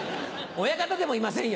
親方でもいませんよ